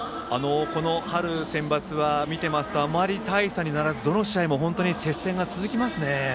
この春センバツは見ていますとあまり大差にならずどの試合も接戦が続きますね。